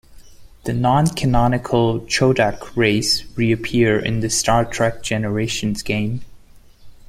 The non-canonical Chodak race reappear in the "Star Trek Generations" game.